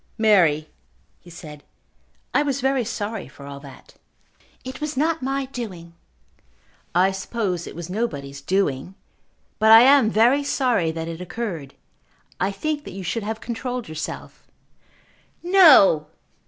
"Mary," he said, "I was very sorry for all that." "It was not my doing." "I suppose it was nobody's doing. But I am very sorry that it occurred. I think that you should have controlled yourself." "No!"